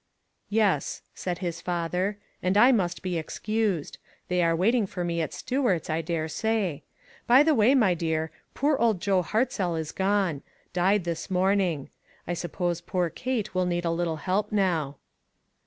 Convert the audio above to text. " Yes," said his father, " and I must be excused. They are waiting for me at Stu art's, I dare say. By the way, my dear, poor old Joe Hartzell is gone. Died this morning. I suppose poor Kate will need a little help now."